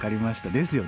ですよね？